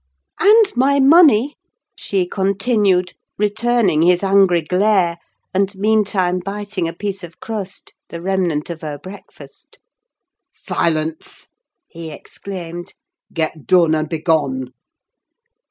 "And my money," she continued; returning his angry glare, and meantime biting a piece of crust, the remnant of her breakfast. "Silence!" he exclaimed. "Get done, and begone!"